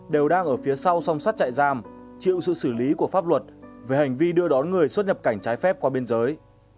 đều đang ở phía sau song sắt chạy giam chịu sự xử lý của pháp luật về hành vi đưa đón người xuất nhập cảnh trái phép qua biên giới